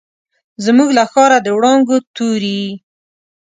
زموږ له ښاره، د وړانګو توري